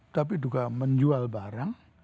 tapi juga menjual barang